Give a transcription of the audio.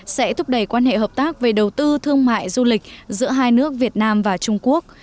sẽ thúc đẩy quan hệ hợp tác về đầu tư thương mại du lịch giữa hai nước việt nam và trung quốc